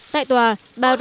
tại tòa bà rosmah mansor